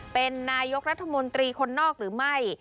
เป็นนายกรัฐมนตรีคนนอกหรือไม่